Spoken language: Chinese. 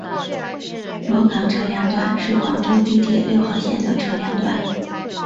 萝岗车辆段是广州地铁六号线的车辆段。